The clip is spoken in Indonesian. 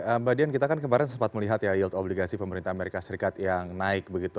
mbak dian kita kan kemarin sempat melihat ya yield obligasi pemerintah amerika serikat yang naik begitu